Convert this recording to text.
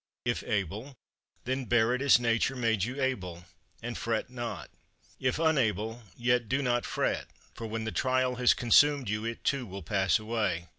If able, then bear it as Nature has made you able, and fret not. If unable, yet do not fret, for when the trial has consumed you it too will pass away.